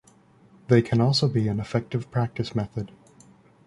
They can also be an effective practice method.